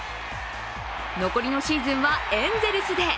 残りのシーズンはエンゼルスで。